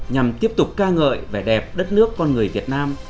nhằm tiếp tục ca ngợi vẻ đẹp đất nước con người việt nam